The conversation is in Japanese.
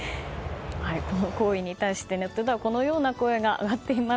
この行為に対してネットではこのような声が上がっています。